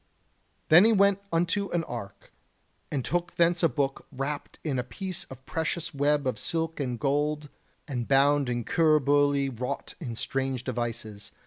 Then he went unto an ark, and took thence a book wrapped in a piece of precious web of silk and gold, and bound in cuir bouilly wrought in strange devices.